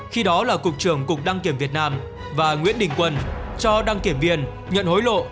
khi đó là cục trưởng cục đăng kiểm việt nam và nguyễn đình quân cho đăng kiểm viên nhận hối lộ